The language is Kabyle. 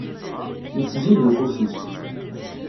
yettzid ufus-is.